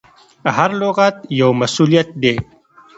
هر لغت یو مسؤلیت دی.